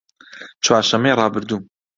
چوارشەممەی ڕابردوو